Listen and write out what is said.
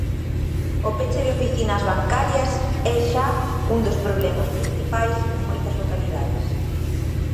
O peche de oficinas bancarias é xa un dos problemas principais en moitas localidades.